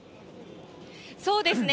そうですね。